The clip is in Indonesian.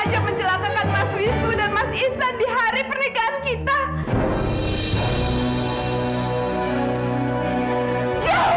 replied untuk jejak maaf dan menghapus wissu dan iksan di hari bright out kita